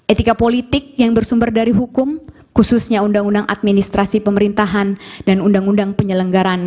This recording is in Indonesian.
etika politik yang bersumber dari hukum khususnya undang undang administrasi pemerintahan dan undang undang penyelenggaraan